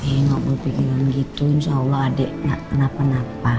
eh gak boleh pikiran gitu insya allah adek gak kenapa napa